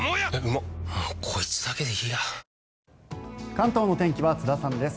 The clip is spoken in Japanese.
関東の天気は津田さんです。